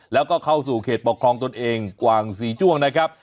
แล้วก็เข้าสู่เขตปกครองตนเองกว่างศรีจ้วงนะครับ